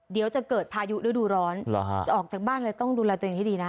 เดี๋ยวจะเกิดพายุฤดูร้อนจะออกจากบ้านเลยต้องดูแลตัวเองให้ดีนะ